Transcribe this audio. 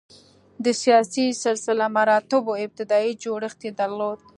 د سیاسي سلسله مراتبو ابتدايي جوړښت یې درلود.